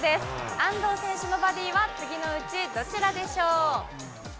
安藤選手のバディは次のうちどちらでしょう？